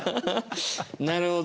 なるほど。